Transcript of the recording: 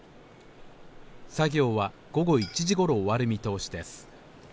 作業は午後１時頃、終わる見通しです。